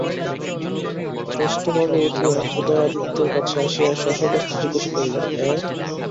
ত্রস্তভাবে উঠিয়া উদয়াদিত্যের কাছে আসিয়া শশব্যস্তে জিজ্ঞাসা করিলেন, অ্যাঁ।